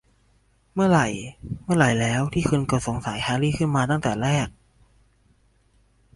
เมื่อไหร่ เมื่อไหร่แล้วที่คุณเกิดสงสัยแฮรรี่ขึ้นมาตั้งแต่แรก ?